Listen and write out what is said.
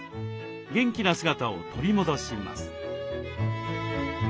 元気な姿を取り戻します。